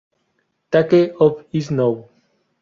Take off is now!